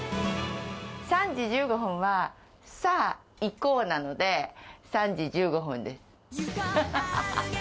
３時１５分は、さあ行こうなので、３時１５分です。